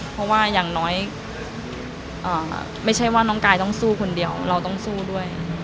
เพราะว่าอย่างน้อยไม่ใช่ว่าน้องกายต้องสู้คนเดียวเราต้องสู้ด้วย